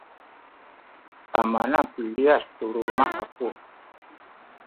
amana piliyas tu luma’ kamu